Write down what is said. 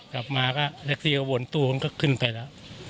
กลับมาก็แท็กซี่ก็วนตู้มันก็ขึ้นไปแล้ว